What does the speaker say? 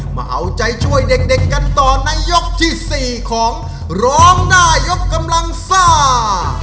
มาเอาใจช่วยเด็กกันต่อในยกที่๔ของร้องได้ยกกำลังซ่า